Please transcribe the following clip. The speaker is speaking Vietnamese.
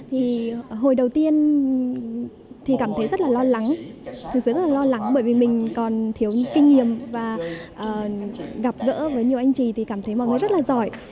thì hồi đầu tiên thì cảm thấy rất là lo lắng thì rất là lo lắng bởi vì mình còn thiếu kinh nghiệm và gặp gỡ với nhiều anh chị thì cảm thấy mọi người rất là giỏi